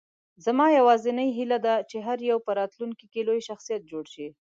زما یوازینۍ هیله ده، چې هر یو په راتلونکې کې لوی شخصیت جوړ شي.